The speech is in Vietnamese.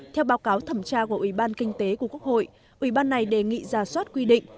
theo báo cáo thẩm tra của ủy ban kinh tế của quốc hội ủy ban này đề nghị ra soát quy định